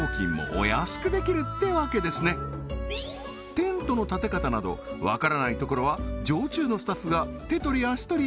テントの建て方など分からないところは常駐のスタッフが手取り足取り